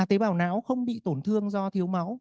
tế bào não không bị tổn thương do thiếu máu